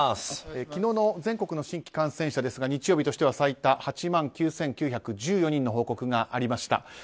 昨日の全国の新規感染者は日曜日としては最多の８万９９１４人の報告がありました。